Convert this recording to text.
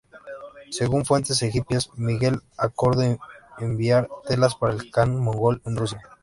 Según fuentes egipcias, Miguel acordó enviar telas para el kan mongol en Rusia.